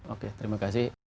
oke terima kasih